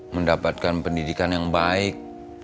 mendapatkan pendidikan yang baik